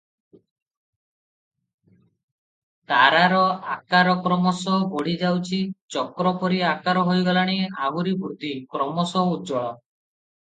ତାରାର ଆକାର କ୍ରମଶଃ ବଢ଼ି ଯାଉଛି, ଚକ୍ର ପରି ଆକାର ହୋଇଗଲାଣି, ଆହୁରି ବୃଦ୍ଧି, କ୍ରମଶଃ ଉଜ୍ଜ୍ୱଳ ।